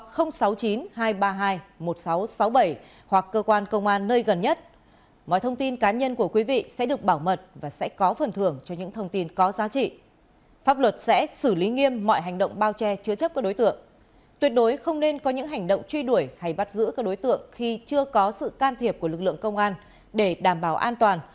không nên có những hành động truy đuổi hay bắt giữ các đối tượng khi chưa có sự can thiệp của lực lượng công an để đảm bảo an toàn